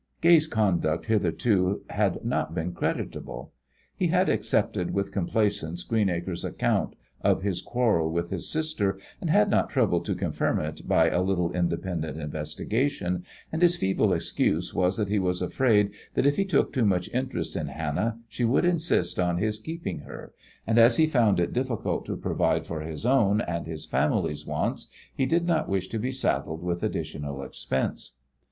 Gay's conduct hitherto had not been creditable. He had accepted with complacence Greenacre's account of his quarrel with his sister and had not troubled to confirm it by a little independent investigation, and his feeble excuse was that he was afraid that if he took too much interest in Hannah she would insist on his keeping her, and, as he found it difficult to provide for his own and his family's wants, he did not wish to be saddled with additional expense.